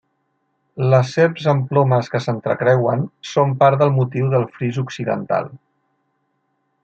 Les serps amb plomes que s'entrecreuen són part del motiu del fris occidental.